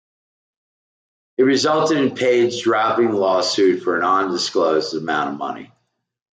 It resulted in Page dropping the lawsuit for an undisclosed amount of money.